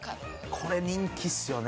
これ人気っすよね。